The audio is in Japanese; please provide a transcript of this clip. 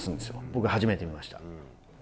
僕初めて見ました。